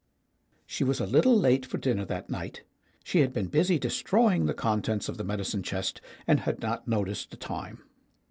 She was a little late for dinner that night; she had been busy destroying the contents of the medicine chest, and had not noticed the time.